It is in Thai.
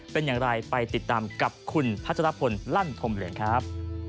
เป็นอย่างไรไปติดตามกับคุณพัชรพลลั่นธมเหลืองครับ